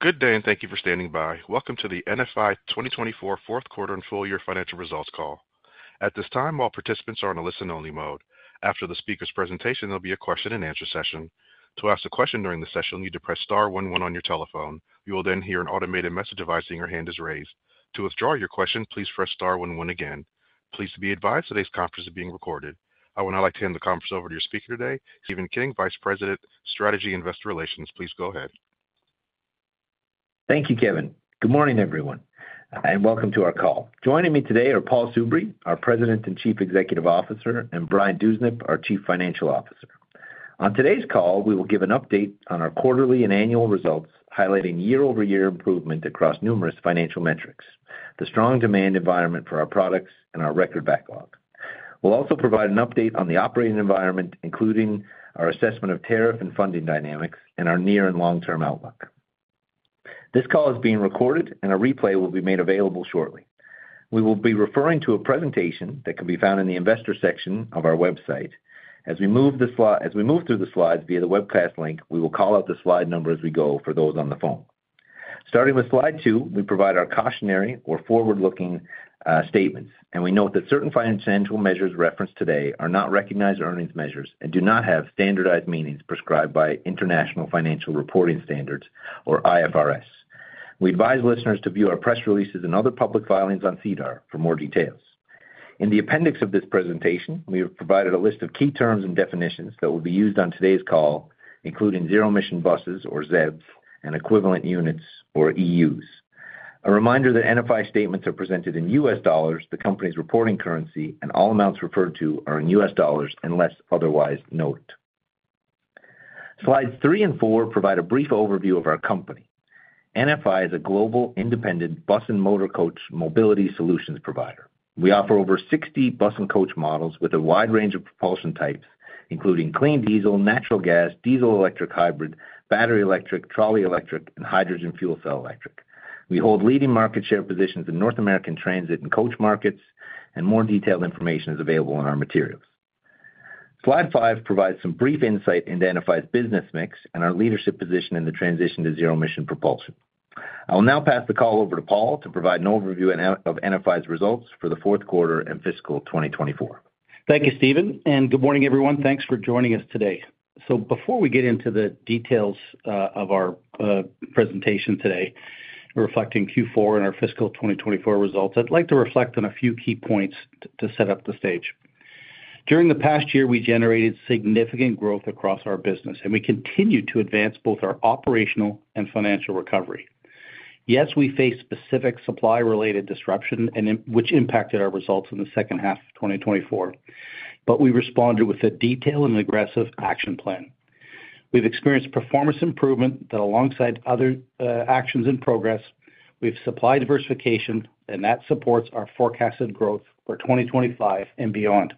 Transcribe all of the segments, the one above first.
Good day, and thank you for standing by. Welcome to the NFI 2024 Fourth Quarter And Full Year Financial Results Call. At this time, all participants are in a listen-only mode. After the speaker's presentation, there'll be a question-and-answer session. To ask a question during the session, you need to press star 11 on your telephone. You will then hear an automated message advising your hand is raised. To withdraw your question, please press star 11 again. Please be advised today's conference is being recorded. I would now like to hand the conference over to your speaker today, Stephen King, Vice President, Strategy Investor Relations. Please go ahead. Thank you, Kevin. Good morning, everyone, and welcome to our call. Joining me today are Paul Soubry, our President and Chief Executive Officer, and Brian Dewsnup, our Chief Financial Officer. On today's call, we will give an update on our quarterly and annual results, highlighting year-over-year improvement across numerous financial metrics, the strong demand environment for our products, and our record backlog. We will also provide an update on the operating environment, including our assessment of tariff and funding dynamics, and our near and long-term outlook. This call is being recorded, and a replay will be made available shortly. We will be referring to a presentation that can be found in the investor section of our website. As we move through the slides via the webcast link, we will call out the slide number as we go for those on the phone. Starting with slide two, we provide our cautionary or forward-looking statements, and we note that certain financial measures referenced today are not recognized earnings measures and do not have standardized meanings prescribed by International Financial Reporting Standards, or IFRS. We advise listeners to view our press releases and other public filings on SEDAR for more details. In the appendix of this presentation, we have provided a list of key terms and definitions that will be used on today's call, including zero-emission buses, or ZEBs, and equivalent units, or EUs. A reminder that NFI statements are presented in US dollars, the company's reporting currency, and all amounts referred to are in US dollars unless otherwise noted. Slides three and four provide a brief overview of our company. NFI is a global, independent bus and motor coach mobility solutions provider. We offer over 60 bus and coach models with a wide range of propulsion types, including clean diesel, natural gas, diesel-electric hybrid, battery-electric, trolley-electric, and hydrogen fuel cell electric. We hold leading market share positions in North American transit and coach markets, and more detailed information is available in our materials. Slide five provides some brief insight into NFI's business mix and our leadership position in the transition to zero-emission propulsion. I will now pass the call over to Paul to provide an overview of NFI's results for the fourth quarter and fiscal 2024. Thank you, Stephen, and good morning, everyone. Thanks for joining us today. Before we get into the details of our presentation today, reflecting Q4 and our fiscal 2024 results, I'd like to reflect on a few key points to set up the stage. During the past year, we generated significant growth across our business, and we continued to advance both our operational and financial recovery. Yes, we faced specific supply-related disruption, which impacted our results in the second half of 2024, but we responded with a detailed and aggressive action plan. We've experienced performance improvement that, alongside other actions in progress, with supply diversification, supports our forecasted growth for 2025 and beyond.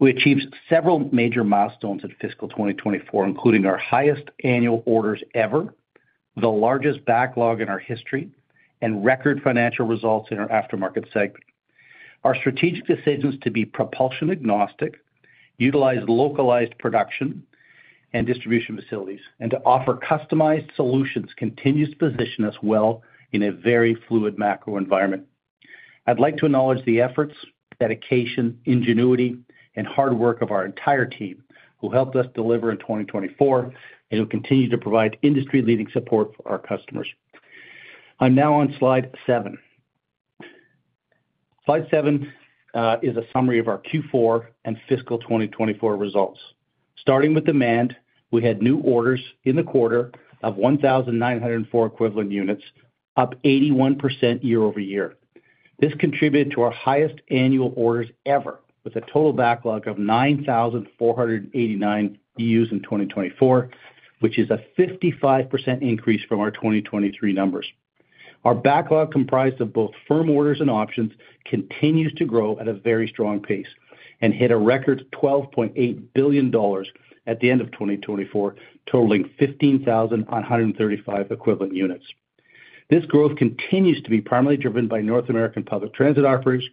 We achieved several major milestones in fiscal 2024, including our highest annual orders ever, the largest backlog in our history, and record financial results in our aftermarket segment. Our strategic decisions to be propulsion-agnostic, utilize localized production and distribution facilities, and to offer customized solutions continue to position us well in a very fluid macro environment. I'd like to acknowledge the efforts, dedication, ingenuity, and hard work of our entire team, who helped us deliver in 2024 and will continue to provide industry-leading support for our customers. I'm now on slide seven. Slide seven is a summary of our Q4 and fiscal 2024 results. Starting with demand, we had new orders in the quarter of 1,904 equivalent units, up 81% year-over-year. This contributed to our highest annual orders ever, with a total backlog of 9,489 EUs in 2024, which is a 55% increase from our 2023 numbers. Our backlog, comprised of both firm orders and options, continues to grow at a very strong pace and hit a record $12.8 billion at the end of 2024, totaling 15,135 equivalent units. This growth continues to be primarily driven by North American public transit operators,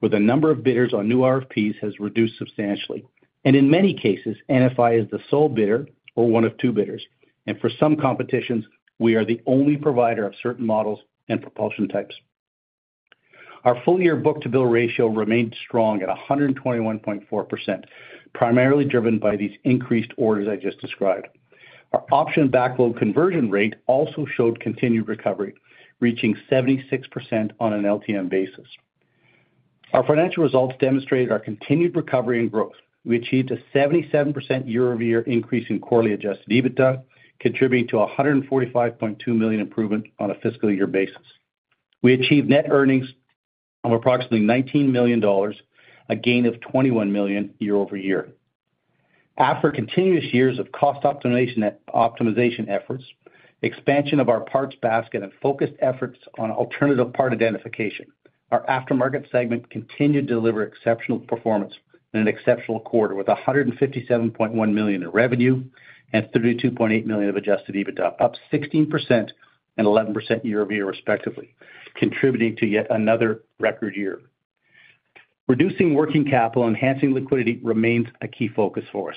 where the number of bidders on new RFPs has reduced substantially. In many cases, NFI is the sole bidder or one of two bidders, and for some competitions, we are the only provider of certain models and propulsion types. Our full-year book-to-bill ratio remained strong at 121.4%, primarily driven by these increased orders I just described. Our option backlog conversion rate also showed continued recovery, reaching 76% on an LTM basis. Our financial results demonstrated our continued recovery and growth. We achieved a 77% year-over-year increase in quarterly adjusted EBITDA, contributing to a $145.2 million improvement on a fiscal-year basis. We achieved net earnings of approximately $19 million, a gain of $21 million year-over-year. After continuous years of cost optimization efforts, expansion of our parts basket, and focused efforts on alternative part identification, our aftermarket segment continued to deliver exceptional performance in an exceptional quarter with $157.1 million in revenue and $32.8 million of adjusted EBITDA, up 16% and 11% year-over-year, respectively, contributing to yet another record year. Reducing working capital and enhancing liquidity remains a key focus for us.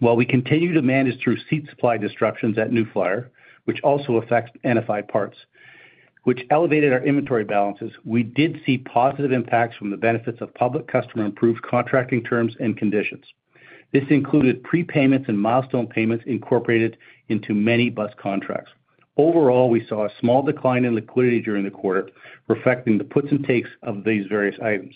While we continue to manage through seat supply disruptions at New Flyer, which also affects NFI Parts, which elevated our inventory balances, we did see positive impacts from the benefits of public customer-improved contracting terms and conditions. This included prepayments and milestone payments incorporated into many bus contracts. Overall, we saw a small decline in liquidity during the quarter, reflecting the puts and takes of these various items.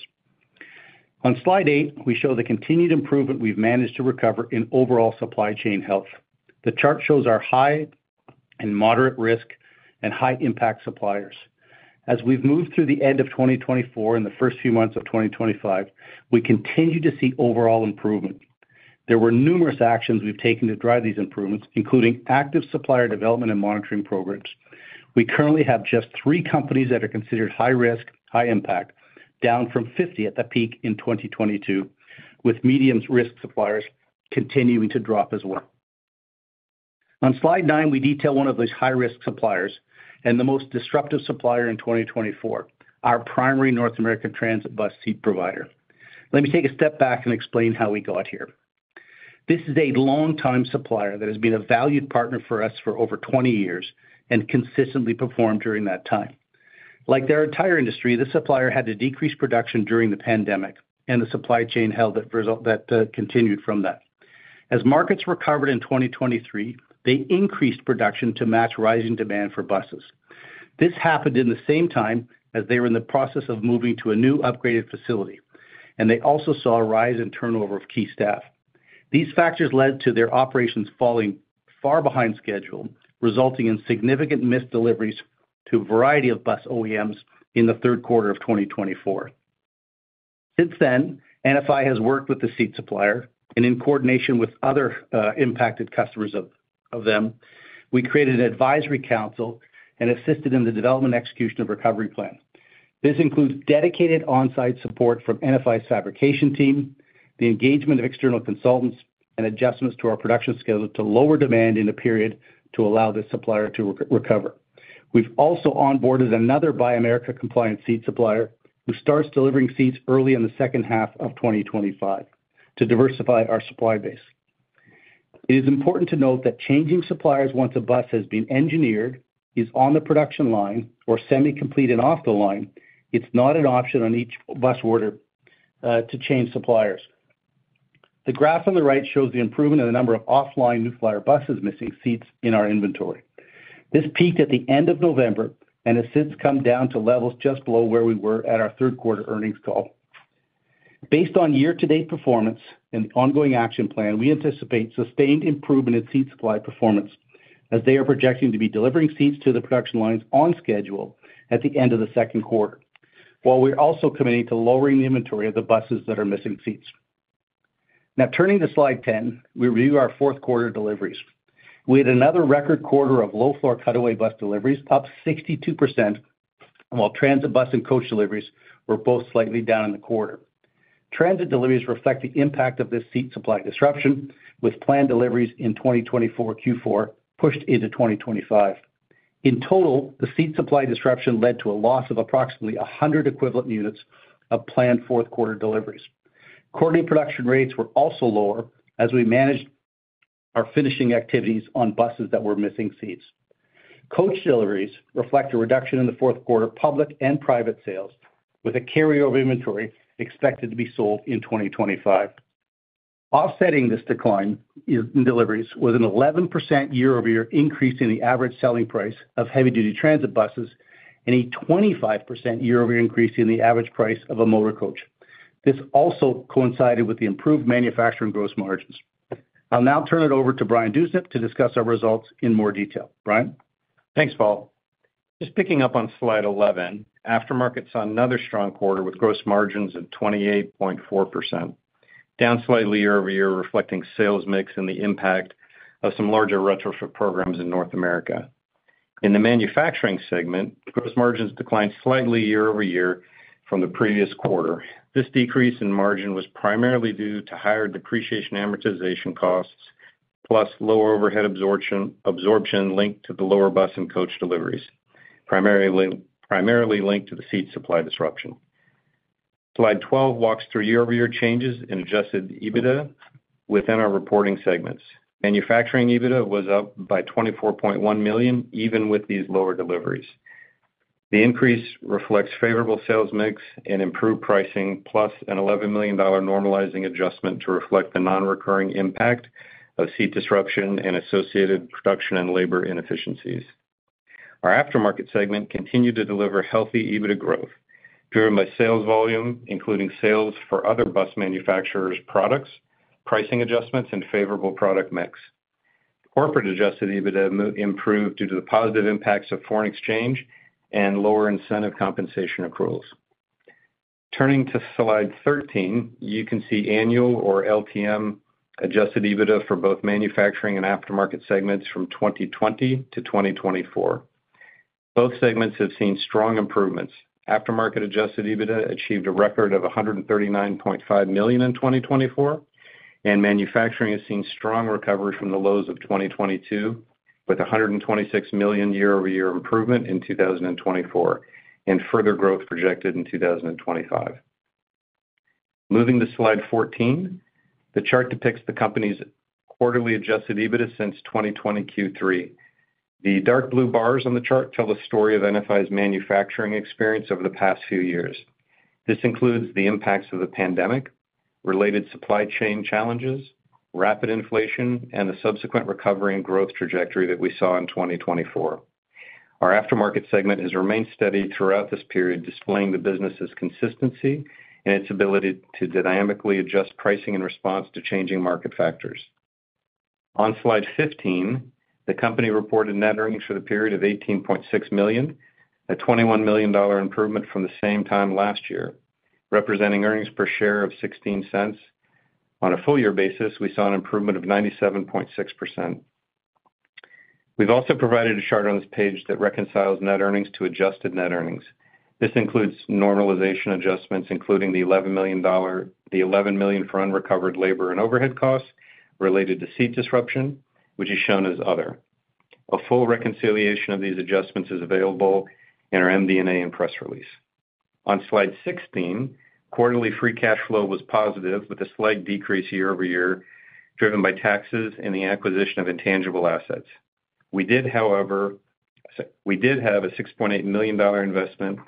On slide eight, we show the continued improvement we've managed to recover in overall supply chain health. The chart shows our high and moderate risk and high-impact suppliers. As we've moved through the end of 2024 and the first few months of 2025, we continue to see overall improvement. There were numerous actions we've taken to drive these improvements, including active supplier development and monitoring programs. We currently have just three companies that are considered high risk, high impact, down from 50 at the peak in 2022, with medium-risk suppliers continuing to drop as well. On slide nine, we detail one of those high-risk suppliers and the most disruptive supplier in 2024, our primary North American transit bus seat provider. Let me take a step back and explain how we got here. This is a longtime supplier that has been a valued partner for us for over 20 years and consistently performed during that time. Like their entire industry, this supplier had to decrease production during the pandemic, and the supply chain hold that continued from that. As markets recovered in 2023, they increased production to match rising demand for buses. This happened in the same time as they were in the process of moving to a new upgraded facility, and they also saw a rise in turnover of key staff. These factors led to their operations falling far behind schedule, resulting in significant missed deliveries to a variety of bus OEMs in the third quarter of 2024. Since then, NFI has worked with the seat supplier, and in coordination with other impacted customers of them, we created an advisory council and assisted in the development execution of a recovery plan. This includes dedicated onsite support from NFI's fabrication team, the engagement of external consultants, and adjustments to our production schedule to lower demand in a period to allow this supplier to recover. We've also onboarded another Buy America-compliant seat supplier who starts delivering seats early in the second half of 2025 to diversify our supply base. It is important to note that changing suppliers once a bus has been engineered, is on the production line, or semi-complete and off the line, it's not an option on each bus order to change suppliers. The graph on the right shows the improvement in the number of offline New Flyer buses missing seats in our inventory. This peaked at the end of November and has since come down to levels just below where we were at our third quarter earnings call. Based on year-to-date performance and the ongoing action plan, we anticipate sustained improvement in seat supply performance as they are projecting to be delivering seats to the production lines on schedule at the end of the second quarter, while we're also committing to lowering the inventory of the buses that are missing seats. Now, turning to slide 10, we review our fourth quarter deliveries. We had another record quarter of low-floor cutaway bus deliveries, up 62%, while transit bus and coach deliveries were both slightly down in the quarter. Transit deliveries reflect the impact of this seat supply disruption, with planned deliveries in 2024 Q4 pushed into 2025. In total, the seat supply disruption led to a loss of approximately 100 equivalent units of planned fourth quarter deliveries. Quarterly production rates were also lower as we managed our finishing activities on buses that were missing seats. Coach deliveries reflect a reduction in the fourth quarter public and private sales, with a carryover inventory expected to be sold in 2025. Offsetting this decline in deliveries was an 11% year-over-year increase in the average selling price of heavy-duty transit buses and a 25% year-over-year increase in the average price of a motor coach. This also coincided with the improved manufacturing gross margins. I'll now turn it over to Brian Dewsnup to discuss our results in more detail. Brian. Thanks, Paul. Just picking up on slide 11, aftermarket saw another strong quarter with gross margins of 28.4%, down slightly year-over-year, reflecting sales mix and the impact of some larger retrofit programs in North America. In the manufacturing segment, gross margins declined slightly year-over-year from the previous quarter. This decrease in margin was primarily due to higher depreciation amortization costs, plus lower overhead absorption linked to the lower bus and coach deliveries, primarily linked to the seat supply disruption. Slide 12 walks through year-over-year changes in adjusted EBITDA within our reporting segments. Manufacturing EBITDA was up by $24.1 million, even with these lower deliveries. The increase reflects favorable sales mix and improved pricing, plus an $11 million normalizing adjustment to reflect the non-recurring impact of seat disruption and associated production and labor inefficiencies. Our aftermarket segment continued to deliver healthy EBITDA growth, driven by sales volume, including sales for other bus manufacturers' products, pricing adjustments, and favorable product mix. Corporate adjusted EBITDA improved due to the positive impacts of foreign exchange and lower incentive compensation accruals. Turning to slide 13, you can see annual or LTM adjusted EBITDA for both manufacturing and aftermarket segments from 2020 to 2024. Both segments have seen strong improvements. Aftermarket adjusted EBITDA achieved a record of $139.5 million in 2024, and manufacturing has seen strong recovery from the lows of 2022, with $126 million year-over-year improvement in 2024 and further growth projected in 2025. Moving to slide 14, the chart depicts the company's quarterly adjusted EBITDA since 2020 Q3. The dark blue bars on the chart tell the story of NFI's manufacturing experience over the past few years. This includes the impacts of the pandemic, related supply chain challenges, rapid inflation, and the subsequent recovery and growth trajectory that we saw in 2024. Our aftermarket segment has remained steady throughout this period, displaying the business's consistency and its ability to dynamically adjust pricing in response to changing market factors. On slide 15, the company reported net earnings for the period of $18.6 million, a $21 million improvement from the same time last year, representing earnings per share of $0.16. On a full-year basis, we saw an improvement of 97.6%. We've also provided a chart on this page that reconciles net earnings to adjusted net earnings. This includes normalization adjustments, including the $11 million for unrecovered labor and overhead costs related to seat disruption, which is shown as other. A full reconciliation of these adjustments is available in our MD&A and press release. On slide 16, quarterly free cash flow was positive, with a slight decrease year-over-year driven by taxes and the acquisition of intangible assets. We did, however, have a $6.8 million investment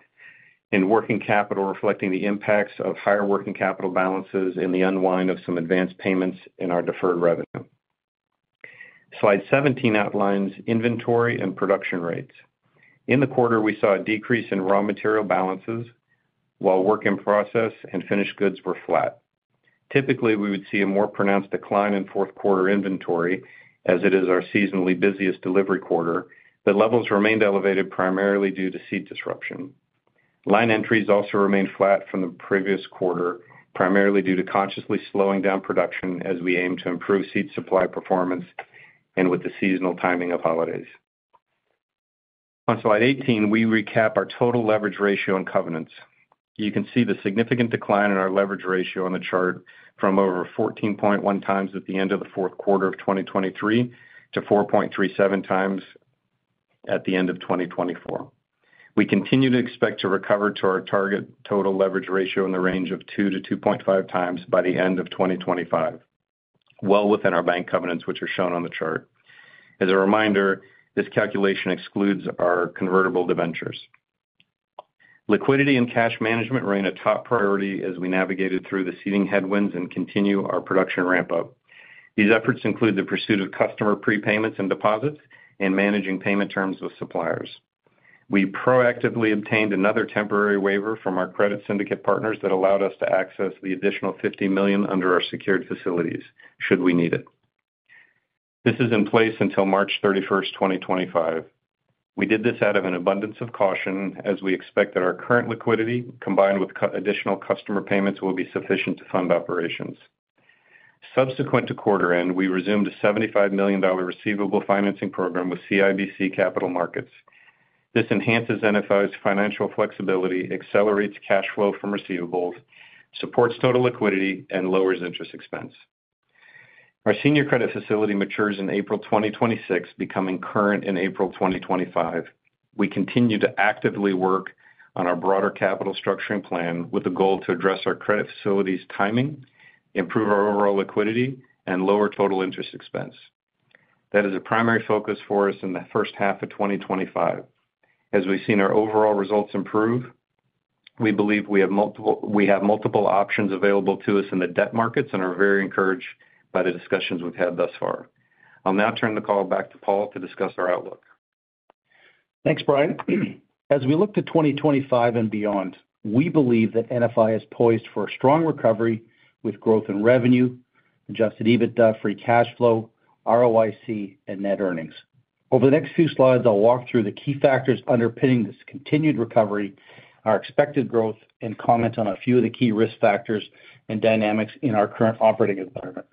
in working capital, reflecting the impacts of higher working capital balances and the unwind of some advanced payments in our deferred revenue. Slide 17 outlines inventory and production rates. In the quarter, we saw a decrease in raw material balances, while work in process and finished goods were flat. Typically, we would see a more pronounced decline in fourth quarter inventory, as it is our seasonally busiest delivery quarter, but levels remained elevated primarily due to seat disruption. Line entries also remained flat from the previous quarter, primarily due to consciously slowing down production as we aim to improve seat supply performance and with the seasonal timing of holidays. On slide 18, we recap our total leverage ratio and covenants. You can see the significant decline in our leverage ratio on the chart from over 14.1 times at the end of the fourth quarter of 2023 to 4.37 times at the end of 2024. We continue to expect to recover to our target total leverage ratio in the range of 2-2.5 times by the end of 2025, well within our bank covenants, which are shown on the chart. As a reminder, this calculation excludes our convertible debentures. Liquidity and cash management remain a top priority as we navigated through the seating headwinds and continue our production ramp-up. These efforts include the pursuit of customer prepayments and deposits and managing payment terms with suppliers. We proactively obtained another temporary waiver from our credit syndicate partners that allowed us to access the additional $50 million under our secured facilities, should we need it. This is in place until March 31, 2025. We did this out of an abundance of caution, as we expect that our current liquidity, combined with additional customer payments, will be sufficient to fund operations. Subsequent to quarter end, we resumed a $75 million receivable financing program with CIBC Capital Markets. This enhances NFI's financial flexibility, accelerates cash flow from receivables, supports total liquidity, and lowers interest expense. Our senior credit facility matures in April 2026, becoming current in April 2025. We continue to actively work on our broader capital structuring plan with the goal to address our credit facility's timing, improve our overall liquidity, and lower total interest expense. That is a primary focus for us in the first half of 2025. As we've seen our overall results improve, we believe we have multiple options available to us in the debt markets and are very encouraged by the discussions we've had thus far. I'll now turn the call back to Paul to discuss our outlook. Thanks, Brian. As we look to 2025 and beyond, we believe that NFI is poised for a strong recovery with growth in revenue, adjusted EBITDA, free cash flow, ROIC, and net earnings. Over the next few slides, I'll walk through the key factors underpinning this continued recovery, our expected growth, and comment on a few of the key risk factors and dynamics in our current operating environment.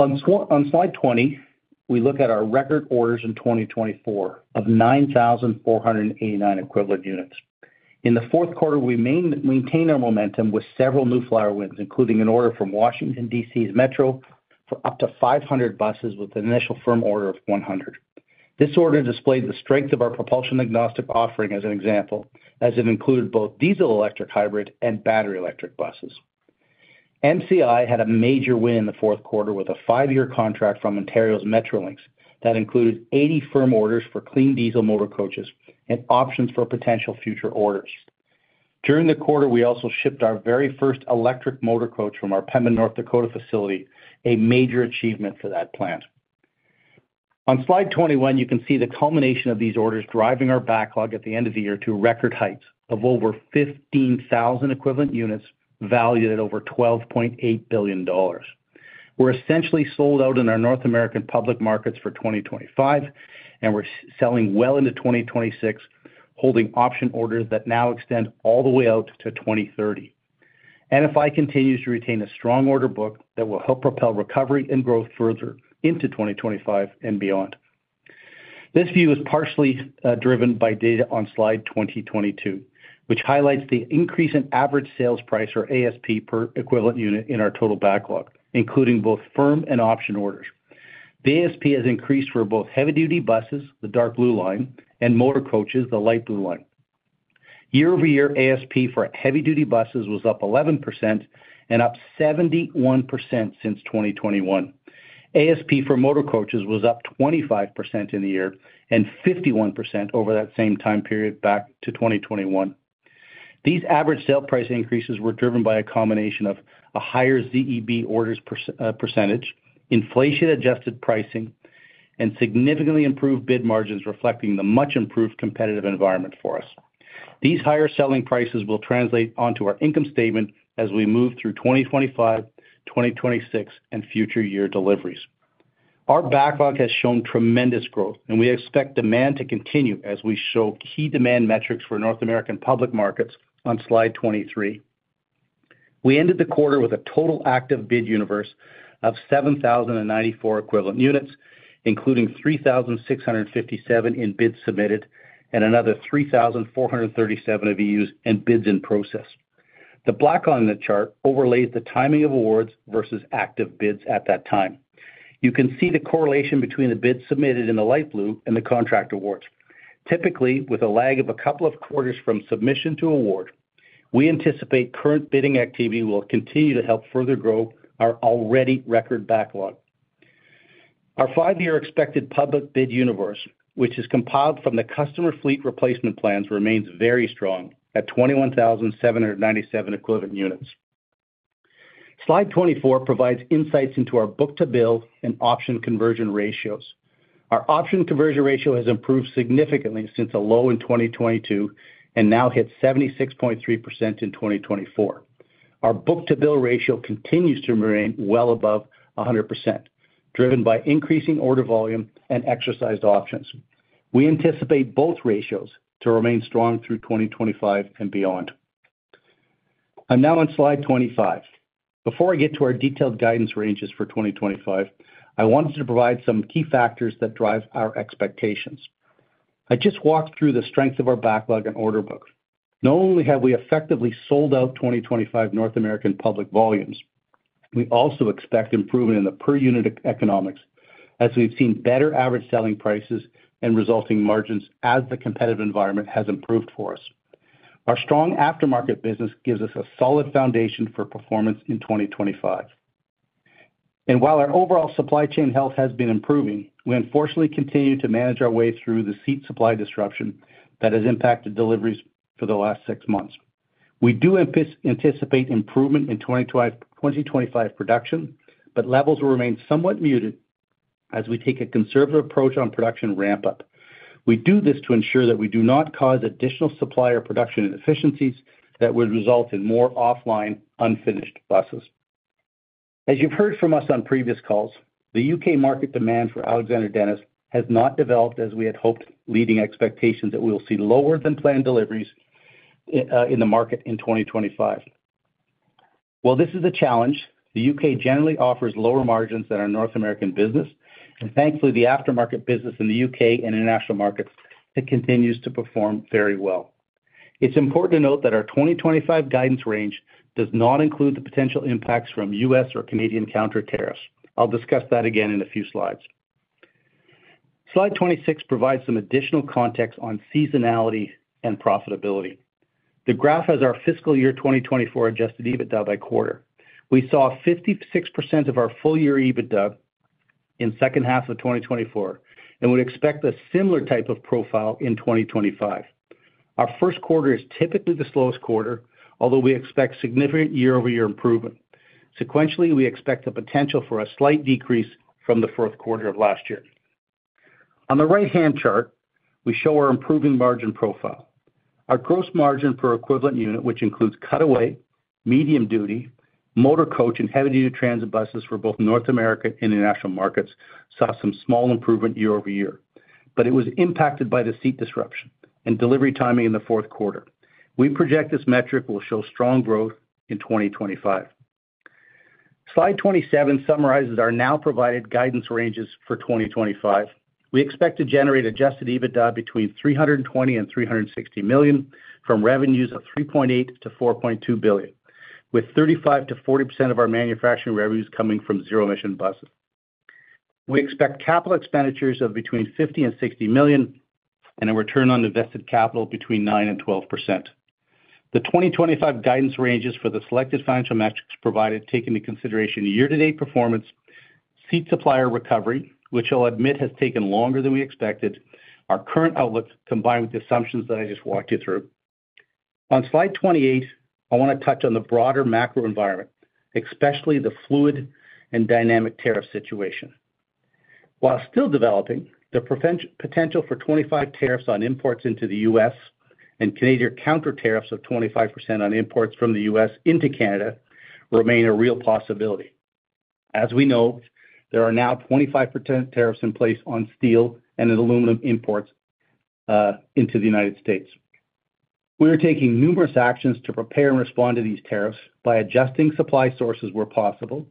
On slide 20, we look at our record orders in 2024 of 9,489 equivalent units. In the fourth quarter, we maintained our momentum with several New Flyer wins, including an order from Washington, D.C.'s Metro for up to 500 buses with an initial firm order of 100. This order displayed the strength of our propulsion agnostic offering as an example, as it included both diesel-electric hybrid and battery-electric buses. MCI had a major win in the fourth quarter with a five-year contract from Ontario's Metrolinx that included 80 firm orders for clean diesel motor coaches and options for potential future orders. During the quarter, we also shipped our very first electric motor coach from our Pembroke, North Dakota facility, a major achievement for that plant. On slide 21, you can see the culmination of these orders driving our backlog at the end of the year to record heights of over 15,000 equivalent units valued at over $12.8 billion. We're essentially sold out in our North American public markets for 2025, and we're selling well into 2026, holding option orders that now extend all the way out to 2030. NFI continues to retain a strong order book that will help propel recovery and growth further into 2025 and beyond. This view is partially driven by data on slide 2022, which highlights the increase in average sales price, or ASP, per equivalent unit in our total backlog, including both firm and option orders. The ASP has increased for both heavy-duty buses, the dark blue line, and motor coaches, the light blue line. Year-over-year ASP for heavy-duty buses was up 11% and up 71% since 2021. ASP for motor coaches was up 25% in the year and 51% over that same time period back to 2021. These average sale price increases were driven by a combination of a higher ZEB orders percentage, inflation-adjusted pricing, and significantly improved bid margins, reflecting the much-improved competitive environment for us. These higher selling prices will translate onto our income statement as we move through 2025, 2026, and future year deliveries. Our backlog has shown tremendous growth, and we expect demand to continue as we show key demand metrics for North American public markets on slide 23. We ended the quarter with a total active bid universe of 7,094 equivalent units, including 3,657 in bids submitted and another 3,437 of EUs in bids in process. The black line in the chart overlays the timing of awards versus active bids at that time. You can see the correlation between the bids submitted in the light blue and the contract awards. Typically, with a lag of a couple of quarters from submission to award, we anticipate current bidding activity will continue to help further grow our already record backlog. Our five-year expected public bid universe, which is compiled from the customer fleet replacement plans, remains very strong at 21,797 equivalent units. Slide 24 provides insights into our book-to-bill and option conversion ratios. Our option conversion ratio has improved significantly since a low in 2022 and now hits 76.3% in 2024. Our book-to-bill ratio continues to remain well above 100%, driven by increasing order volume and exercised options. We anticipate both ratios to remain strong through 2025 and beyond. I'm now on slide 25. Before I get to our detailed guidance ranges for 2025, I wanted to provide some key factors that drive our expectations. I just walked through the strength of our backlog and order book. Not only have we effectively sold out 2025 North American public volumes, we also expect improvement in the per-unit economics as we've seen better average selling prices and resulting margins as the competitive environment has improved for us. Our strong aftermarket business gives us a solid foundation for performance in 2025. While our overall supply chain health has been improving, we unfortunately continue to manage our way through the seat supply disruption that has impacted deliveries for the last six months. We do anticipate improvement in 2025 production, but levels will remain somewhat muted as we take a conservative approach on production ramp-up. We do this to ensure that we do not cause additional supply or production inefficiencies that would result in more offline, unfinished buses. As you have heard from us on previous calls, the U.K. market demand for Alexander Dennis has not developed as we had hoped, leading expectations that we will see lower than planned deliveries in the market in 2025. While this is a challenge, the U.K. generally offers lower margins than our North American business, and thankfully, the aftermarket business in the U.K. and international markets continues to perform very well. It's important to note that our 2025 guidance range does not include the potential impacts from U.S. or Canadian counter tariffs. I'll discuss that again in a few slides. Slide 26 provides some additional context on seasonality and profitability. The graph has our fiscal year 2024 adjusted EBITDA by quarter. We saw 56% of our full-year EBITDA in the second half of 2024 and would expect a similar type of profile in 2025. Our first quarter is typically the slowest quarter, although we expect significant year-over-year improvement. Sequentially, we expect the potential for a slight decrease from the fourth quarter of last year. On the right-hand chart, we show our improving margin profile. Our gross margin per equivalent unit, which includes cutaway, medium duty, motor coach, and heavy-duty transit buses for both North American and international markets, saw some small improvement year-over-year, but it was impacted by the seat disruption and delivery timing in the fourth quarter. We project this metric will show strong growth in 2025. Slide 27 summarizes our now provided guidance ranges for 2025. We expect to generate adjusted EBITDA between $320 million and $360 million from revenues of $3.8 billion-$4.2 billion, with 35%-40% of our manufacturing revenues coming from zero-emission buses. We expect capital expenditures of between $50 million and $60 million and a return on invested capital between 9%-12%. The 2025 guidance ranges for the selected financial metrics provided, taking into consideration year-to-date performance, seat supplier recovery, which I'll admit has taken longer than we expected, our current outlook combined with the assumptions that I just walked you through. On slide 28, I want to touch on the broader macro environment, especially the fluid and dynamic tariff situation. While still developing, the potential for 25% tariffs on imports into the U.S. and Canadian counter tariffs of 25% on imports from the U.S. into Canada remain a real possibility. As we know, there are now 25% tariffs in place on steel and aluminum imports into the United States. We are taking numerous actions to prepare and respond to these tariffs by adjusting supply sources where possible,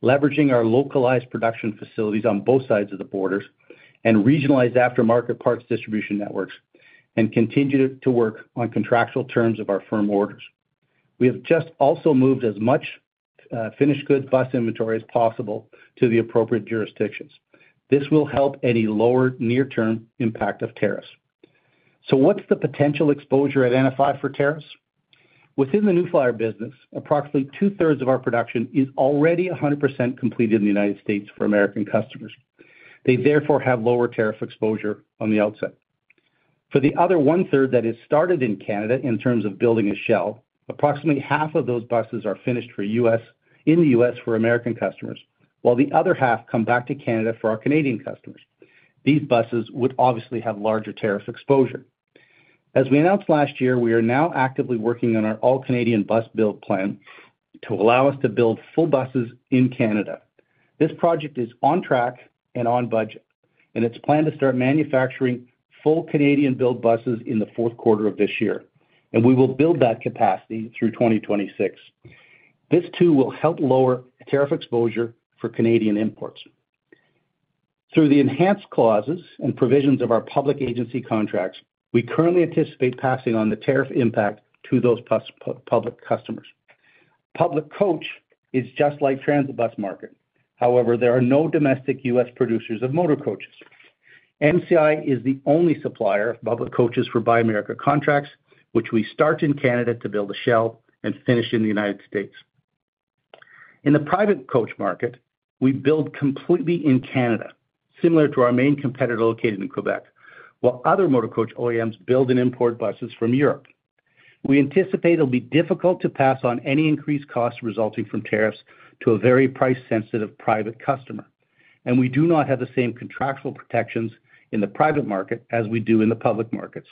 leveraging our localized production facilities on both sides of the borders, and regionalized aftermarket parts distribution networks, and continuing to work on contractual terms of our firm orders. We have just also moved as much finished goods bus inventory as possible to the appropriate jurisdictions. This will help any lower near-term impact of tariffs. What's the potential exposure at NFI for tariffs? Within the New Flyer business, approximately two-thirds of our production is already 100% completed in the United States for American customers. They therefore have lower tariff exposure on the outset. For the other one-third that is started in Canada in terms of building a shell, approximately half of those buses are finished in the U.S. for American customers, while the other half come back to Canada for our Canadian customers. These buses would obviously have larger tariff exposure. As we announced last year, we are now actively working on our all-Canadian bus build plan to allow us to build full buses in Canada. This project is on track and on budget, and it's planned to start manufacturing full Canadian-built buses in the fourth quarter of this year, and we will build that capacity through 2026. This, too, will help lower tariff exposure for Canadian imports. Through the enhanced clauses and provisions of our public agency contracts, we currently anticipate passing on the tariff impact to those public customers. Public coach is just like transit bus market. However, there are no domestic U.S. producers of motor coaches. MCI is the only supplier of public coaches for Buy America contracts, which we start in Canada to build a shell and finish in the United States. In the private coach market, we build completely in Canada, similar to our main competitor located in Quebec, while other motor coach OEMs build and import buses from Europe. We anticipate it'll be difficult to pass on any increased costs resulting from tariffs to a very price-sensitive private customer, and we do not have the same contractual protections in the private market as we do in the public markets.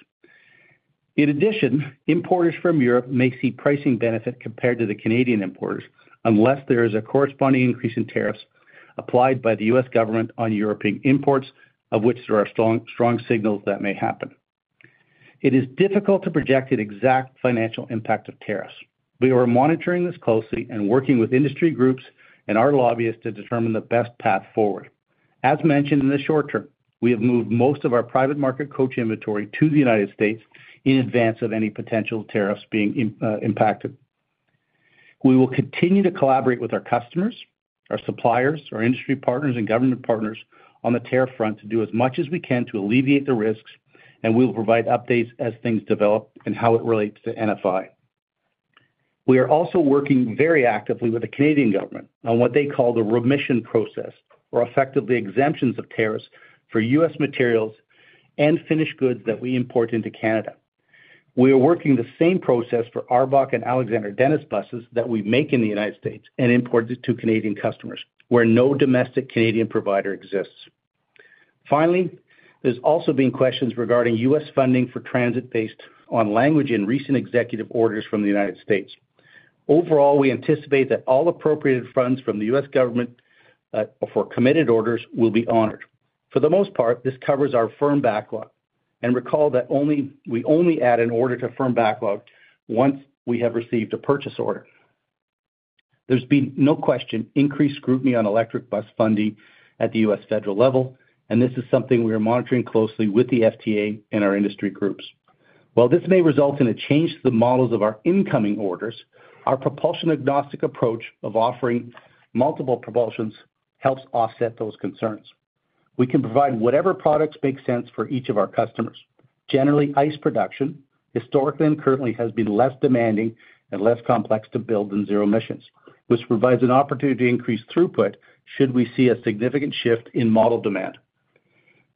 In addition, importers from Europe may see pricing benefit compared to the Canadian importers unless there is a corresponding increase in tariffs applied by the U.S. government on European imports, of which there are strong signals that may happen. It is difficult to project an exact financial impact of tariffs. We are monitoring this closely and working with industry groups and our lobbyists to determine the best path forward. As mentioned in the short term, we have moved most of our private market coach inventory to the United States in advance of any potential tariffs being impacted. We will continue to collaborate with our customers, our suppliers, our industry partners, and government partners on the tariff front to do as much as we can to alleviate the risks, and we will provide updates as things develop and how it relates to NFI. We are also working very actively with the Canadian government on what they call the remission process, or effectively exemptions of tariffs for US materials and finished goods that we import into Canada. We are working the same process for ARBOC and Alexander Dennis buses that we make in the United States and import to Canadian customers where no domestic Canadian provider exists. Finally, there's also been questions regarding U.S. funding for transit based on language in recent executive orders from the United States. Overall, we anticipate that all appropriated funds from the U.S. government for committed orders will be honored. For the most part, this covers our firm backlog, and recall that we only add an order to firm backlog once we have received a purchase order. There's been no question of increased scrutiny on electric bus funding at the U.S. federal level, and this is something we are monitoring closely with the FTA and our industry groups. While this may result in a change to the models of our incoming orders, our propulsion-agnostic approach of offering multiple propulsions helps offset those concerns. We can provide whatever products make sense for each of our customers. Generally, ICE production, historically and currently, has been less demanding and less complex to build than zero emissions, which provides an opportunity to increase throughput should we see a significant shift in model demand.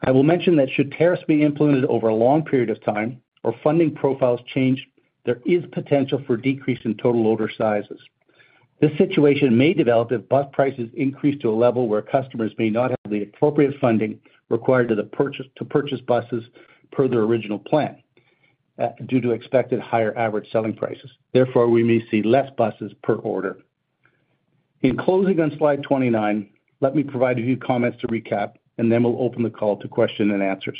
I will mention that should tariffs be implemented over a long period of time or funding profiles change, there is potential for decrease in total order sizes. This situation may develop if bus prices increase to a level where customers may not have the appropriate funding required to purchase buses per their original plan due to expected higher average selling prices. Therefore, we may see fewer buses per order. In closing on slide 29, let me provide a few comments to recap, and then we'll open the call to questions and answers.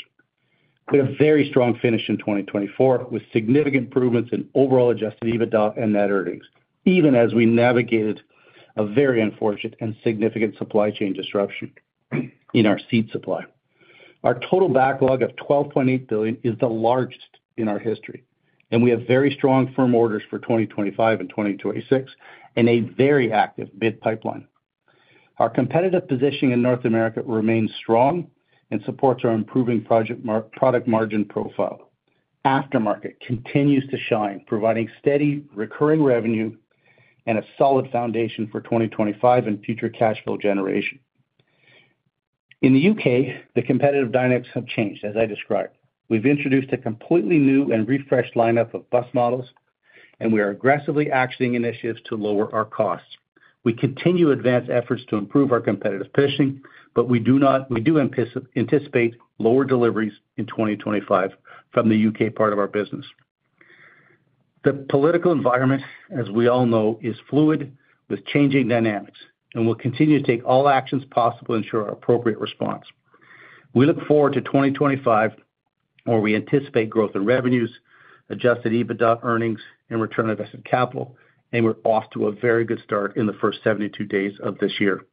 We have a very strong finish in 2024 with significant improvements in overall adjusted EBITDA and net earnings, even as we navigated a very unfortunate and significant supply chain disruption in our seat supply. Our total backlog of $12.8 billion is the largest in our history, and we have very strong firm orders for 2025 and 2026 and a very active bid pipeline. Our competitive positioning in North America remains strong and supports our improving product margin profile. Aftermarket continues to shine, providing steady recurring revenue and a solid foundation for 2025 and future cash flow generation. In the U.K., the competitive dynamics have changed, as I described. We've introduced a completely new and refreshed lineup of bus models, and we are aggressively actioning initiatives to lower our costs. We continue to advance efforts to improve our competitive positioning, but we do anticipate lower deliveries in 2025 from the U.K. part of our business. The political environment, as we all know, is fluid with changing dynamics, and we'll continue to take all actions possible to ensure our appropriate response. We look forward to 2025, where we anticipate growth in revenues, adjusted EBITDA earnings, and return on invested capital, and we're off to a very good start in the first 72 days of this year.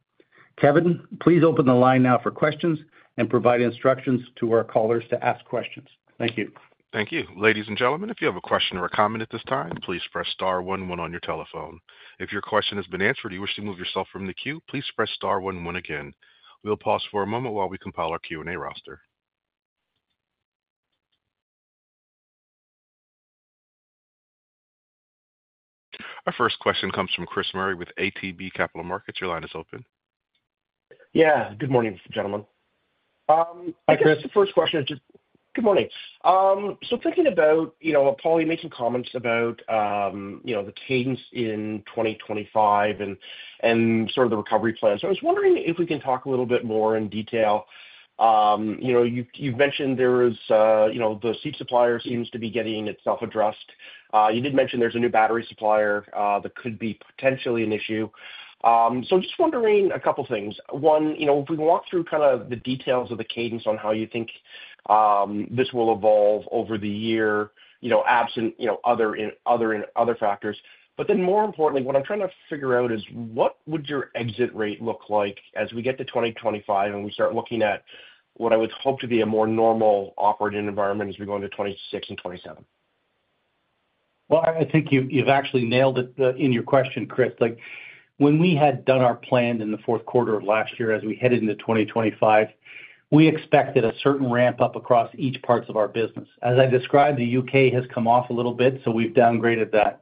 Kevin, please open the line now for questions and provide instructions to our callers to ask questions. Thank you. Thank you. Ladies and gentlemen, if you have a question or a comment at this time, please press star 1 when on your telephone. If your question has been answered or you wish to move yourself from the queue, please press star 1 when again. We'll pause for a moment while we compile our Q&A roster. Our first question comes from Chris Murray with ATB Capital Markets. Your line is open. Yeah. Good morning, gentlemen. Hi, Chris. My first question is just good morning. Thinking about, Paul, you made some comments about the cadence in 2025 and sort of the recovery plan. I was wondering if we can talk a little bit more in detail. You mentioned the seat supplier seems to be getting itself addressed. You did mention there's a new battery supplier that could be potentially an issue. Just wondering a couple of things. One, if we walk through kind of the details of the cadence on how you think this will evolve over the year, absent other factors. But then more importantly, what I'm trying to figure out is what would your exit rate look like as we get to 2025 and we start looking at what I would hope to be a more normal operating environment as we go into 2026 and 2027? I think you've actually nailed it in your question, Chris. When we had done our plan in the fourth quarter of last year as we headed into 2025, we expected a certain ramp-up across each parts of our business. As I described, the U.K. has come off a little bit, so we've downgraded that.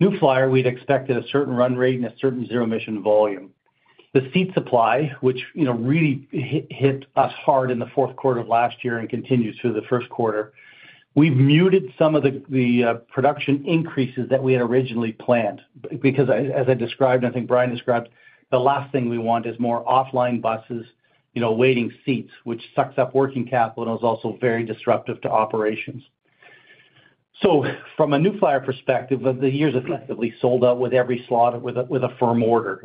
New Flyer, we'd expected a certain run rate and a certain zero-emission volume. The seat supply, which really hit us hard in the fourth quarter of last year and continues through the first quarter, we've muted some of the production increases that we had originally planned because, as I described, and I think Brian described, the last thing we want is more offline buses waiting seats, which sucks up working capital and is also very disruptive to operations. From a New Flyer perspective, the years have effectively sold out with every slot with a firm order.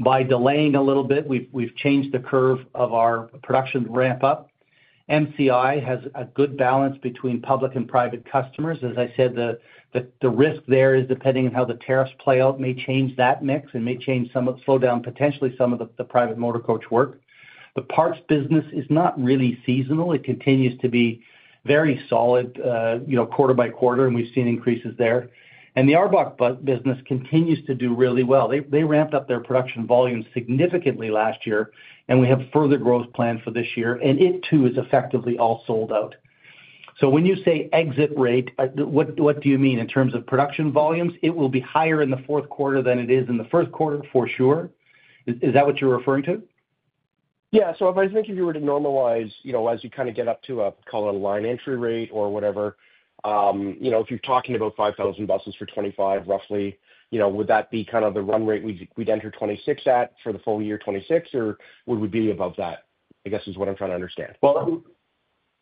By delaying a little bit, we've changed the curve of our production ramp-up. MCI has a good balance between public and private customers. As I said, the risk there is depending on how the tariffs play out may change that mix and may change some of the slowdown, potentially some of the private motor coach work. The parts business is not really seasonal. It continues to be very solid quarter by quarter, and we have seen increases there. The ARBOC business continues to do really well. They ramped up their production volume significantly last year, and we have further growth planned for this year, and it, too, is effectively all sold out. When you say exit rate, what do you mean in terms of production volumes? It will be higher in the fourth quarter than it is in the first quarter, for sure. Is that what you are referring to? Yeah. I think if you were to normalize, as you kind of get up to a, call it a line entry rate or whatever, if you are talking about 5,000 buses for 2025, roughly, would that be kind of the run rate we would enter 2026 at for the full year 2026, or would we be above that? I guess is what I'm trying to understand.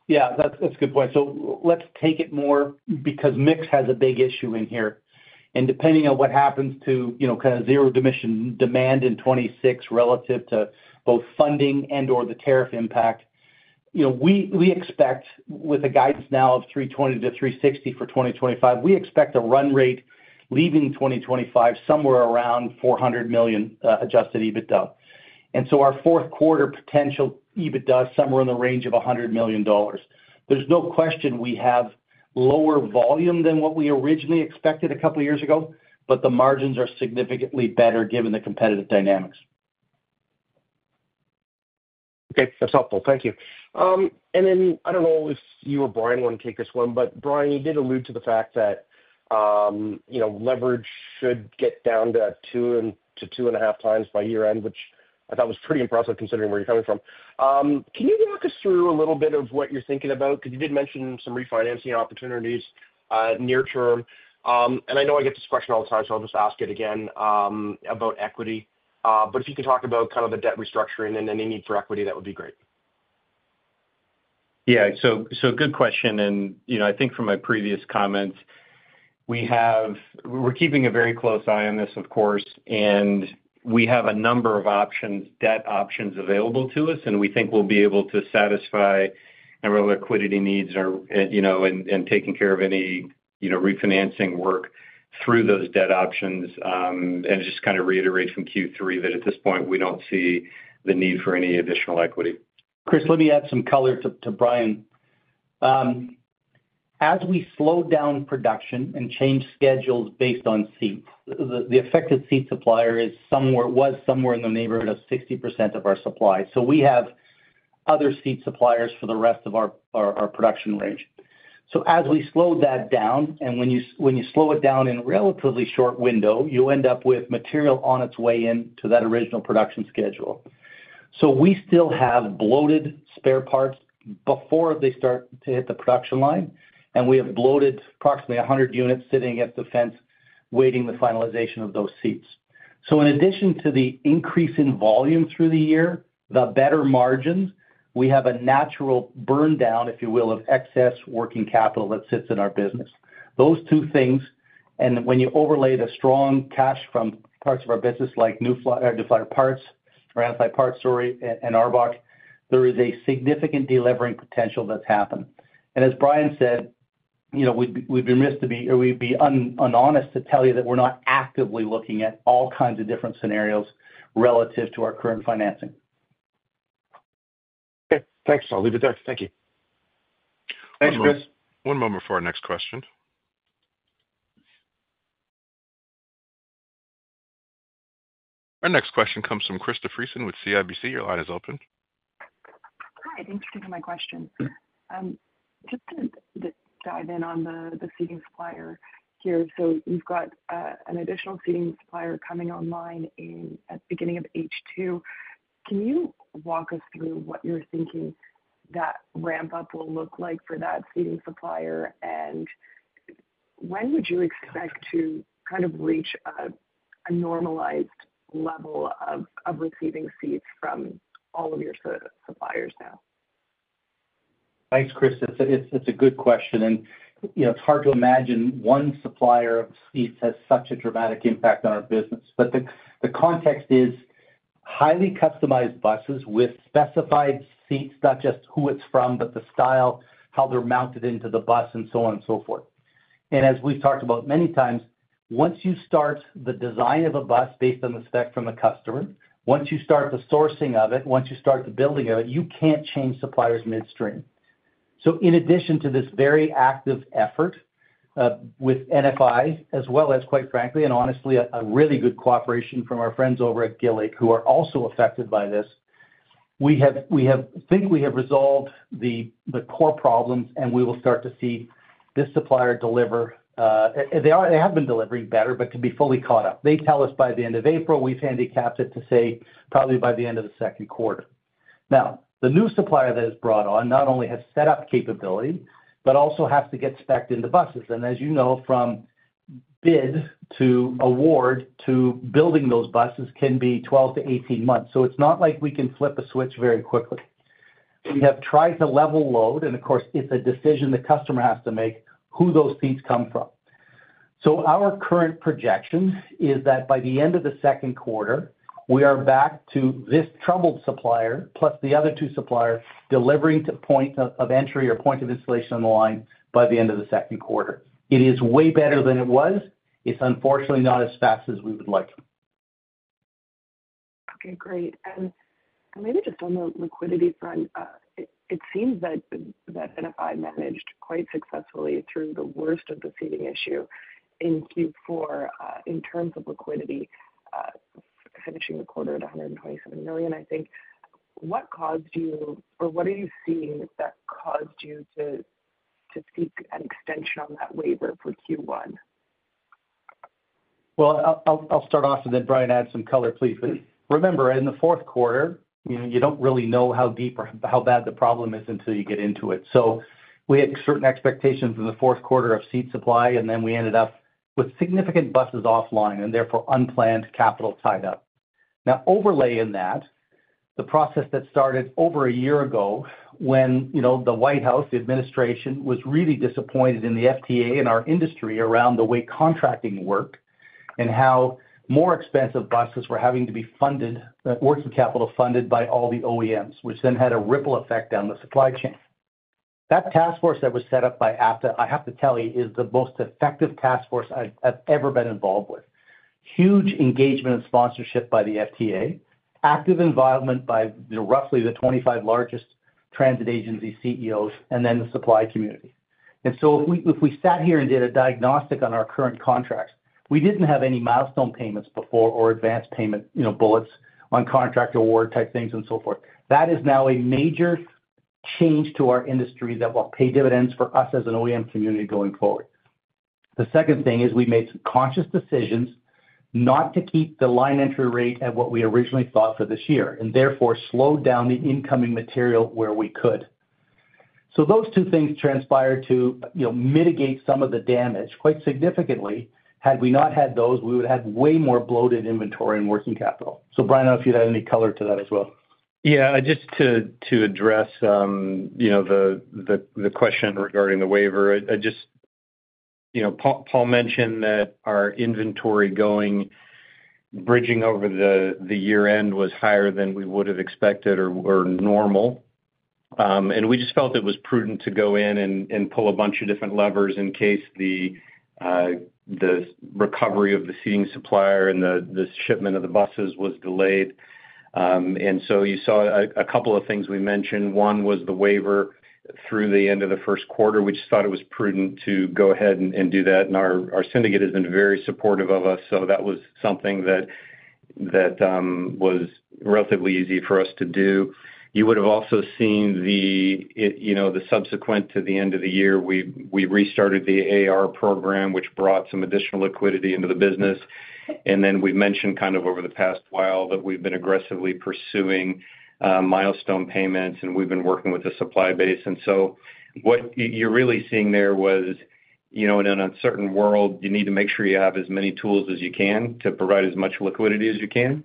Yeah, that's a good point. Let's take it more because mix has a big issue in here. Depending on what happens to kind of zero-emission demand in 2026 relative to both funding and/or the tariff impact, we expect with a guidance now of 320 to 360 for 2025, we expect a run rate leaving 2025 somewhere around $400 million adjusted EBITDA. Our fourth quarter potential EBITDA is somewhere in the range of $100 million. There's no question we have lower volume than what we originally expected a couple of years ago, but the margins are significantly better given the competitive dynamics. Okay. That's helpful. Thank you. I do not know if you or Brian want to take this one, but Brian, you did allude to the fact that leverage should get down to two and a half times by year-end, which I thought was pretty impressive considering where you are coming from. Can you walk us through a little bit of what you are thinking about? Because you did mention some refinancing opportunities near term. I know I get this question all the time, so I will just ask it again about equity. If you can talk about kind of the debt restructuring and any need for equity, that would be great. Yeah. Good question. I think from my previous comments, we're keeping a very close eye on this, of course, and we have a number of debt options available to us, and we think we'll be able to satisfy our liquidity needs and taking care of any refinancing work through those debt options. Just kind of reiterate from Q3 that at this point, we don't see the need for any additional equity. Chris, let me add some color to Brian. As we slowed down production and changed schedules based on seats, the affected seat supplier was somewhere in the neighborhood of 60% of our supply. We have other seat suppliers for the rest of our production range. As we slowed that down, and when you slow it down in a relatively short window, you end up with material on its way into that original production schedule. We still have bloated spare parts before they start to hit the production line, and we have bloated approximately 100 units sitting at the fence waiting the finalization of those seats. In addition to the increase in volume through the year, the better margins, we have a natural burndown, if you will, of excess working capital that sits in our business. Those two things, and when you overlay the strong cash from parts of our business like New Flyer Parts or NFI Parts, sorry, and ARBOC, there is a significant delivering potential that's happened. As Brian said, we'd be remiss to be or we'd be unhonest to tell you that we're not actively looking at all kinds of different scenarios relative to our current financing. Okay. Thanks. I'll leave it there. Thank you. Thanks, Chris. One moment for our next question. Our next question comes from Chris DeFreeson with CIBC. Your line is open. Hi. Thanks for my question. Just to dive in on the seating supplier here, so you've got an additional seating supplier coming online at the beginning of H2. Can you walk us through what you're thinking that ramp-up will look like for that seating supplier, and when would you expect to kind of reach a normalized level of receiving seats from all of your suppliers now? Thanks, Chris. It's a good question. It's hard to imagine one supplier of seats has such a dramatic impact on our business. The context is highly customized buses with specified seats, not just who it's from, but the style, how they're mounted into the bus, and so on and so forth. As we've talked about many times, once you start the design of a bus based on the spec from the customer, once you start the sourcing of it, once you start the building of it, you can't change suppliers midstream. In addition to this very active effort with NFI, as well as, quite frankly and honestly, a really good cooperation from our friends over at Gillig, who are also affected by this, we think we have resolved the core problems, and we will start to see this supplier deliver. They have been delivering better, but to be fully caught up, they tell us by the end of April. We've handicapped it to say probably by the end of the second quarter. Now, the new supplier that is brought on not only has set up capability, but also has to get specced into buses. As you know, from bid to award to building those buses can be 12-18 months. It is not like we can flip a switch very quickly. We have tried to level load, and of course, it is a decision the customer has to make who those seats come from. Our current projection is that by the end of the second quarter, we are back to this troubled supplier, plus the other two suppliers delivering to point of entry or point of installation on the line by the end of the second quarter. It is way better than it was. It is unfortunately not as fast as we would like. Okay. Great. Maybe just on the liquidity front, it seems that NFI managed quite successfully through the worst of the seating issue in Q4 in terms of liquidity, finishing the quarter at $127 million. I think what caused you or what are you seeing that caused you to seek an extension on that waiver for Q1? I will start off and then Brian adds some color, please. Remember, in the fourth quarter, you do not really know how deep or how bad the problem is until you get into it. We had certain expectations in the fourth quarter of seat supply, and then we ended up with significant buses offline and therefore unplanned capital tied up. Now, overlay in that, the process that started over a year ago when the White House, the administration, was really disappointed in the FTA and our industry around the way contracting worked and how more expensive buses were having to be funded, working capital funded by all the OEMs, which then had a ripple effect down the supply chain. That task force that was set up by APTA, I have to tell you, is the most effective task force I've ever been involved with. Huge engagement and sponsorship by the FTA, active involvement by roughly the 25 largest transit agency CEOs, and then the supply community. If we sat here and did a diagnostic on our current contracts, we didn't have any milestone payments before or advanced payment bullets on contract award type things and so forth. That is now a major change to our industry that will pay dividends for us as an OEM community going forward. The second thing is we made some conscious decisions not to keep the line entry rate at what we originally thought for this year and therefore slowed down the incoming material where we could. Those two things transpired to mitigate some of the damage quite significantly. Had we not had those, we would have way more bloated inventory and working capital. Brian, I do not know if you had any color to that as well. Yeah. Just to address the question regarding the waiver, Paul mentioned that our inventory going bridging over the year-end was higher than we would have expected or normal. We just felt it was prudent to go in and pull a bunch of different levers in case the recovery of the seating supplier and the shipment of the buses was delayed. You saw a couple of things we mentioned. One was the waiver through the end of the first quarter. We just thought it was prudent to go ahead and do that. Our syndicate has been very supportive of us, so that was something that was relatively easy for us to do. You would have also seen that subsequent to the end of the year, we restarted the AR program, which brought some additional liquidity into the business. We have mentioned over the past while that we have been aggressively pursuing milestone payments, and we have been working with the supply base. What you are really seeing there is in an uncertain world, you need to make sure you have as many tools as you can to provide as much liquidity as you can.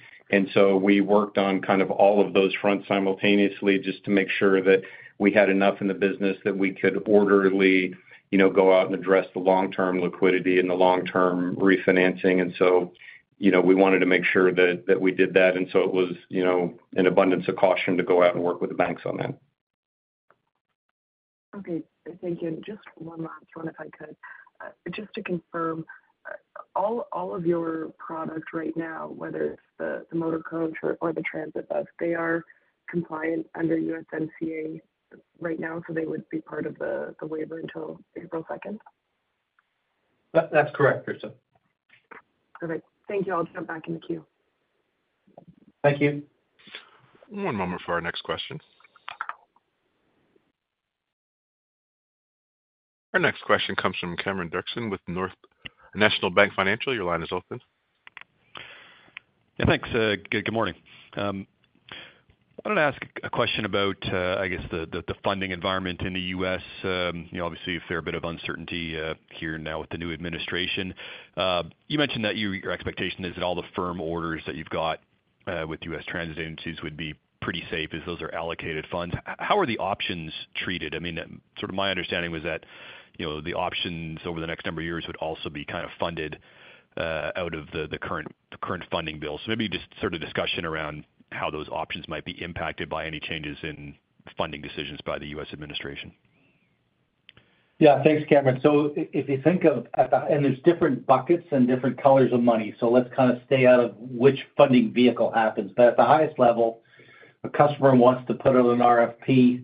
We worked on all of those fronts simultaneously just to make sure that we had enough in the business that we could orderly go out and address the long-term liquidity and the long-term refinancing. We wanted to make sure that we did that. It was an abundance of caution to go out and work with the banks on that. Okay. Thank you. Just one last one, if I could. Just to confirm, all of your products right now, whether it is the motor coach or the transit bus, they are compliant under USMCA right now, so they would be part of the waiver until April 2? That is correct, Chris. Perfect. Thank you. I will jump back in the queue. Thank you. One moment for our next question. Our next question comes from Cameron Doerksen with National Bank Financial. Your line is open. Yeah. Thanks. Good morning. I want to ask a question about, I guess, the funding environment in the U.S. Obviously, you feel a bit of uncertainty here now with the new administration. You mentioned that your expectation is that all the firm orders that you've got with U.S. transit agencies would be pretty safe as those are allocated funds. How are the options treated? I mean, sort of my understanding was that the options over the next number of years would also be kind of funded out of the current funding bill. Maybe just sort of discussion around how those options might be impacted by any changes in funding decisions by the U.S. administration. Yeah. Thanks, Cameron. If you think of and there's different buckets and different colors of money. Let's kind of stay out of which funding vehicle happens. At the highest level, a customer wants to put in an RFP,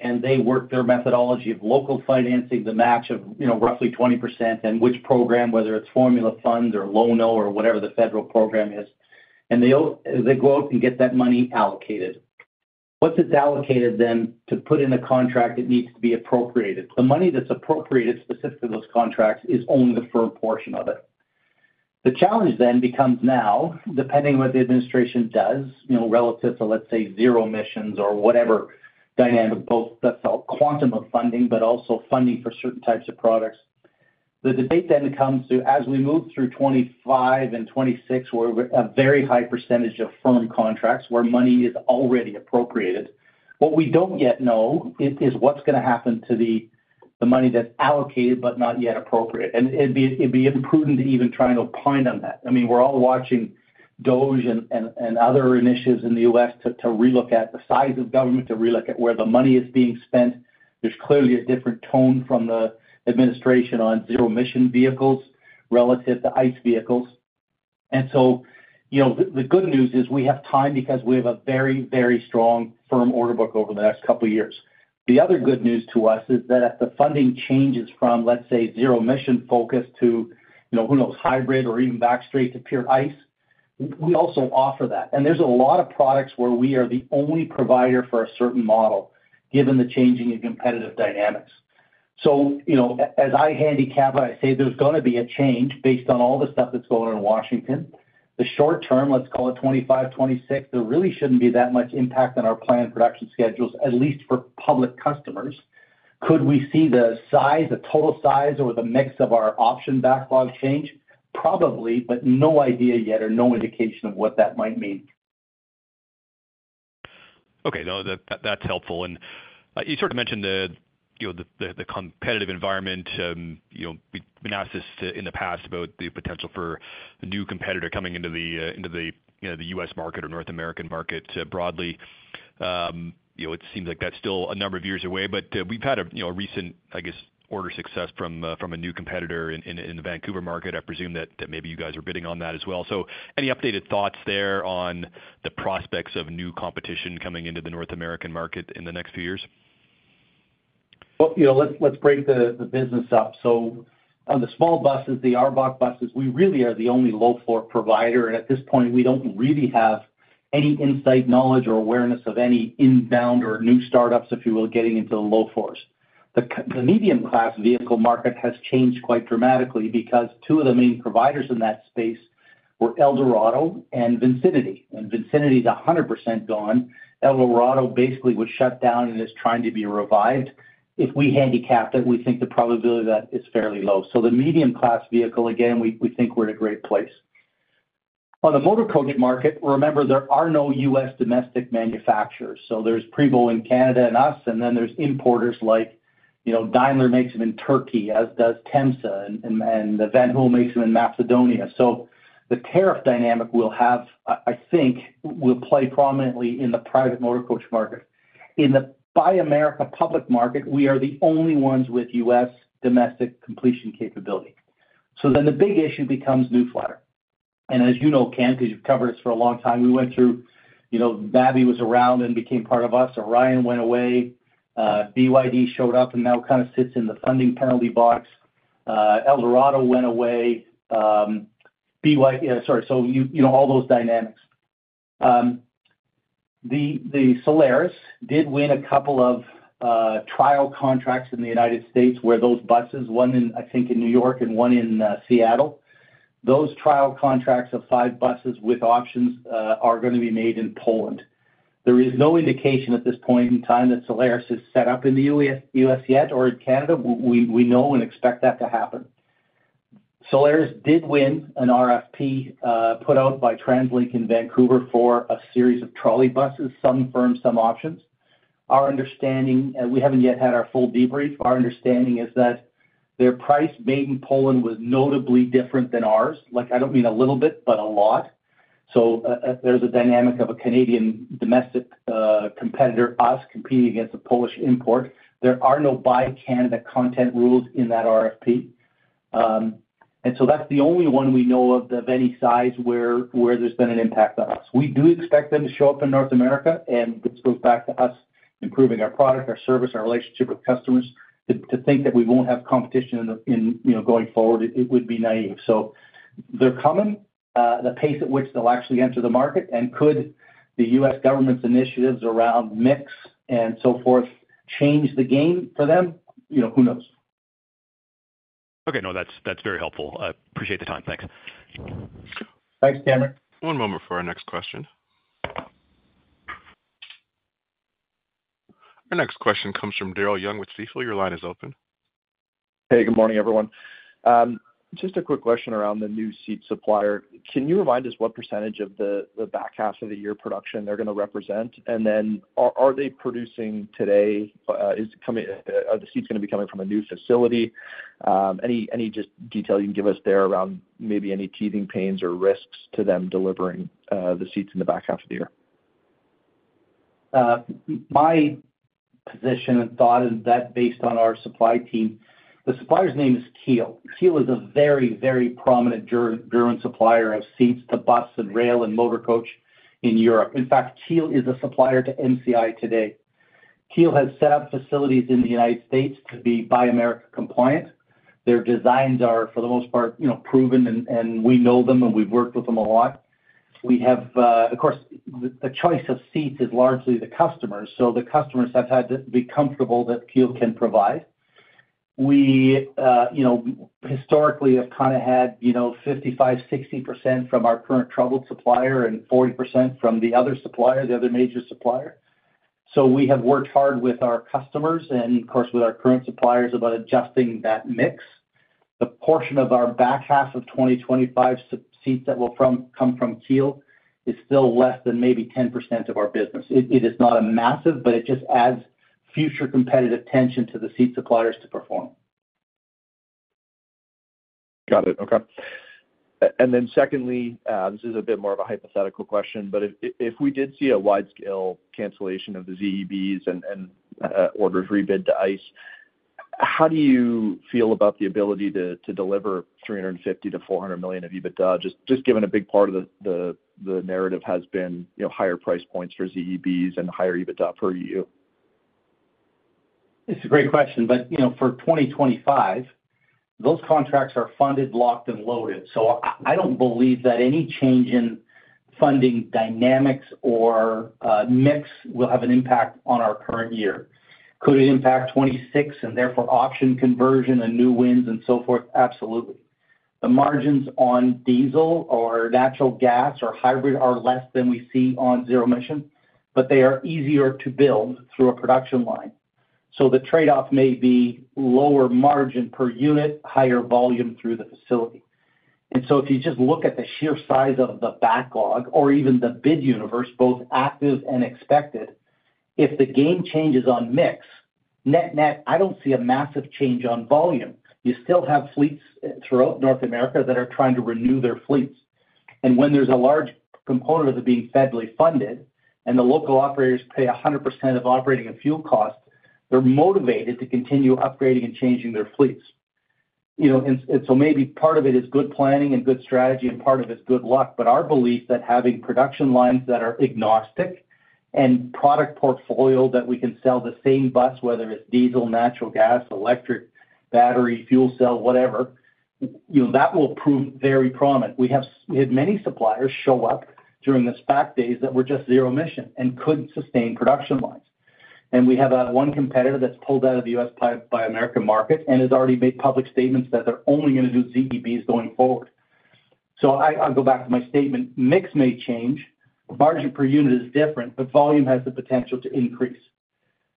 and they work their methodology of local financing, the match of roughly 20%, and which program, whether it's formula funds or Low-No or whatever the federal program is, and they go out and get that money allocated. Once it's allocated, then, to put in a contract, it needs to be appropriated. The money that's appropriated specific to those contracts is only the firm portion of it. The challenge then becomes now, depending on what the administration does relative to, let's say, zero emissions or whatever dynamic, both that's a quantum of funding, but also funding for certain types of products. The debate then comes to, as we move through 2025 and 2026, where we're at a very high percentage of firm contracts where money is already appropriated, what we don't yet know is what's going to happen to the money that's allocated but not yet appropriated. It'd be imprudent to even try and opine on that. I mean, we're all watching DOGE and other initiatives in the U.S. to relook at the size of government, to relook at where the money is being spent. There's clearly a different tone from the administration on zero-emission vehicles relative to ICE vehicles. The good news is we have time because we have a very, very strong firm order book over the next couple of years. The other good news to us is that if the funding changes from, let's say, zero-emission focus to, who knows, hybrid or even backstreet to pure ICE, we also offer that. And there's a lot of products where we are the only provider for a certain model given the changing of competitive dynamics. As I handicap it, I say there's going to be a change based on all the stuff that's going on in Washington. The short term, let's call it 2025, 2026, there really shouldn't be that much impact on our planned production schedules, at least for public customers. Could we see the size, the total size, or the mix of our option backlog change? Probably, but no idea yet or no indication of what that might mean. Okay. No, that's helpful. And you sort of mentioned the competitive environment. We've been asked this in the past about the potential for a new competitor coming into the US market or North American market broadly. It seems like that's still a number of years away. We've had a recent, I guess, order success from a new competitor in the Vancouver market. I presume that maybe you guys are bidding on that as well. Any updated thoughts there on the prospects of new competition coming into the North American market in the next few years? Let's break the business up. On the small buses, the ARBOC buses, we really are the only low-floor provider. At this point, we don't really have any insight, knowledge, or awareness of any inbound or new startups, if you will, getting into the low-floors. The medium-class vehicle market has changed quite dramatically because two of the main providers in that space were ElDorado and Vicinity. Vicinity is 100% gone. ElDorado basically was shut down and is trying to be revived. If we handicap that, we think the probability of that is fairly low. The medium-class vehicle, again, we think we're in a great place. On the motor coach market, remember, there are no US domestic manufacturers. There is Prevost in Canada and us, and then there are importers like Daimler makes them in Turkey, as does Temsa, and Van Hool makes them in Macedonia. The tariff dynamic will have, I think, will play prominently in the private motor coach market. In the Buy America public market, we are the only ones with US domestic completion capability. The big issue becomes New Flyer. As you know, Cam, because you've covered us for a long time, we went through Babby was around and became part of us. Orion went away. BYD showed up and now kind of sits in the funding penalty box. ElDorado went away. Sorry. All those dynamics. Solaris did win a couple of trial contracts in the United States where those buses, one in, I think, in New York and one in Seattle. Those trial contracts of five buses with options are going to be made in Poland. There is no indication at this point in time that Solaris is set up in the U.S. yet or in Canada. We know and expect that to happen. Solaris did win an RFP put out by TransLink in Vancouver for a series of trolley buses, some firms, some options. Our understanding, and we haven't yet had our full debrief, our understanding is that their price made in Poland was notably different than ours. I don't mean a little bit, but a lot. There is a dynamic of a Canadian domestic competitor, us competing against a Polish import. There are no Buy Canada content rules in that RFP. That is the only one we know of of any size where there has been an impact on us. We do expect them to show up in North America, and this goes back to us improving our product, our service, our relationship with customers. To think that we won't have competition going forward, it would be naive. They are coming. The pace at which they will actually enter the market and could the U.S. government's initiatives around mix and so forth change the game for them? Who knows? Okay. No, that's very helpful. I appreciate the time. Thanks. Thanks, Cameron. One moment for our next question. Our next question comes from Daryl Young with CIBC. Your line is open. Hey, good morning, everyone. Just a quick question around the new seat supplier. Can you remind us what percentage of the back half of the year production they're going to represent? Are they producing today? Are the seats going to be coming from a new facility? Any detail you can give us there around maybe any teething pains or risks to them delivering the seats in the back half of the year? My position and thought is that based on our supply team, the supplier's name is Kiel. Kiel is a very, very prominent German supplier of seats to bus and rail and motor coach in Europe. In fact, Kiel is a supplier to MCI today. Kiel has set up facilities in the United States to be Buy America compliant. Their designs are, for the most part, proven, and we know them, and we've worked with them a lot. Of course, the choice of seats is largely the customers'. So the customers have had to be comfortable that Kiel can provide. We historically have kind of had 55%-60% from our current troubled supplier and 40% from the other supplier, the other major supplier. We have worked hard with our customers and, of course, with our current suppliers about adjusting that mix. The portion of our back half of 2025 seats that will come from Kiel is still less than maybe 10% of our business. It is not massive, but it just adds future competitive tension to the seat suppliers to perform. Got it. Okay. Then secondly, this is a bit more of a hypothetical question, but if we did see a wide-scale cancellation of the ZEBs and orders rebid to ICE, how do you feel about the ability to deliver $350 million-$400 million of EBITDA? Just given a big part of the narrative has been higher price points for ZEBs and higher EBITDA per year. It's a great question. For 2025, those contracts are funded, locked, and loaded. I don't believe that any change in funding dynamics or mix will have an impact on our current year. Could it impact 2026 and therefore option conversion and new wins and so forth? Absolutely. The margins on diesel or natural gas or hybrid are less than we see on zero-emission, but they are easier to build through a production line. The trade-off may be lower margin per unit, higher volume through the facility. If you just look at the sheer size of the backlog or even the bid universe, both active and expected, if the game changes on mix, net-net, I do not see a massive change on volume. You still have fleets throughout North America that are trying to renew their fleets. When there is a large component of it being federally funded and the local operators pay 100% of operating and fuel costs, they are motivated to continue upgrading and changing their fleets. Maybe part of it is good planning and good strategy, and part of it is good luck. Our belief is that having production lines that are agnostic and a product portfolio that we can sell the same bus, whether it is diesel, natural gas, electric, battery, fuel cell, whatever, that will prove very prominent. We had many suppliers show up during the SPAC days that were just zero emission and could not sustain production lines. We have one competitor that has pulled out of the US Buy America market and has already made public statements that they are only going to do ZEBs going forward. I will go back to my statement. Mix may change. Margin per unit is different, but volume has the potential to increase.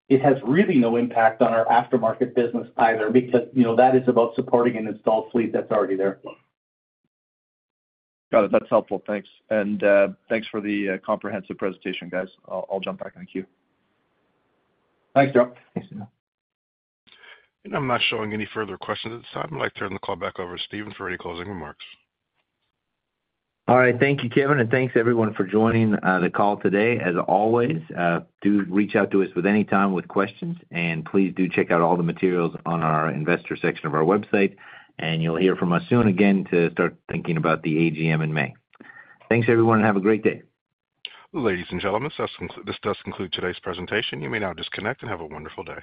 It has really no impact on our aftermarket business either because that is about supporting an installed fleet that is already there. Got it. That is helpful. Thanks. Thanks for the comprehensive presentation, guys. I will jump back in the queue. Thanks, Daryl. Thanks, Cameron. I am not showing any further questions at this time. I would like to turn the call back over to Stephen for any closing remarks. All right. Thank you, Kevin. Thanks, everyone, for joining the call today. As always, do reach out to us any time with questions. Please do check out all the materials on our investor section of our website, and you'll hear from us soon again to start thinking about the AGM in May. Thanks, everyone, and have a great day. Ladies and gentlemen, this does conclude today's presentation. You may now disconnect and have a wonderful day.